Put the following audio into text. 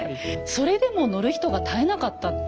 それでも乗る人が絶えなかった。